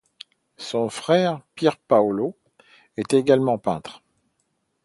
Son frère Pier Paolo était également peintre.